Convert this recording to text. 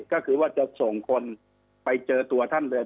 ก็คือว่าจะส่งคนไปเจอตัวท่านเลย